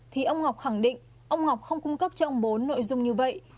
thì ông ngọc khẳng định ông ngọc không cung cấp cho ông bốn nội dung như vậy